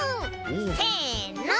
せの。